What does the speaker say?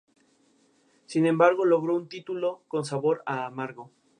Su libro "“An Account of the Botanic Garden in the Island of St.